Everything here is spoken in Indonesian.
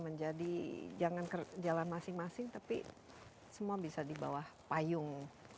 menjadi jangan jalan masing masing tapi semua bisa di bawah payung